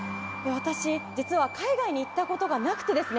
私実は海外に行ったことがなくてですね